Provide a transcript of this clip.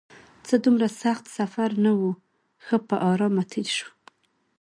څه دومره سخت سفر نه و، ښه په ارامه تېر شو.